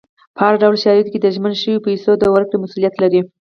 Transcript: په هر ډول شرایطو کې د ژمنه شویو پیسو د ورکړې مسولیت لري.